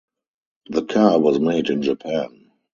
The car was made in Japan.